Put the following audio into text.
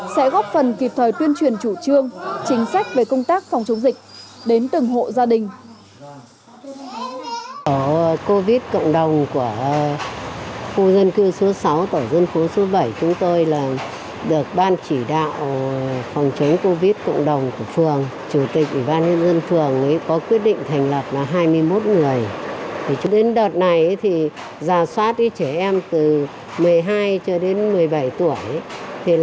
sẽ góp phần kịp thời tuyên truyền chủ trương chính sách về công tác phòng chống dịch đến từng hộ gia đình